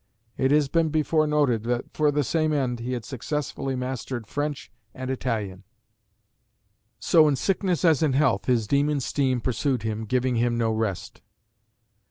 It has been before noted that for the same end he had successfully mastered French and Italian. So in sickness as in health his demon steam pursued him, giving him no rest.